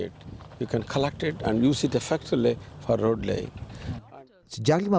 anda bisa mengumpulnya dan menggunakannya efektif untuk mengerah jalan raya